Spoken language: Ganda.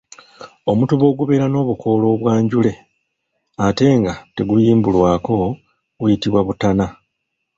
Omutuba ogubeera n'obukoola obwanjule ate nga teguyimbulwako guyitibwa butana.